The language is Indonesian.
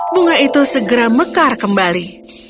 bunga itu segera mekar kembali